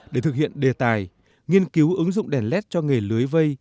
để thực hiện đề tài nghiên cứu ứng dụng đèn led cho nghề lưới vây